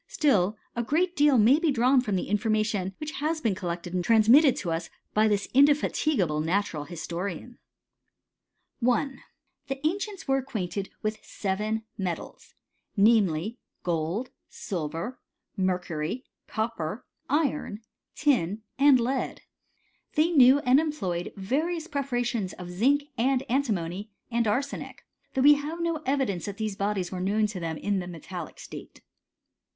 Still a great deal may be drawiL'ft the information which has been collected and td| mined to us by this indefatigable natural histoikfjiji^ CHEMlStmr Of tttE AKCIElfTS. 51 1. — The ancients were acquainted with SEVsit METALS ; namely, gold, silver, mercury, copper, iron, tin, and lead. They knew and employed various pre parations of zinc, and antimony, and arsenic ; though we have no evidence that these bodies were known to them in the metallic state.